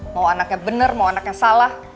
mau anaknya benar mau anaknya salah